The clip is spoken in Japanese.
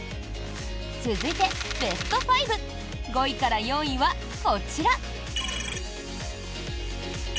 続いてベスト５５位から４位はこちら。